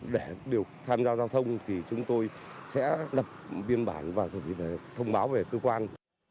để đều tham gia giao thông thì chúng tôi sẽ đập biên bản và thông báo về cơ quan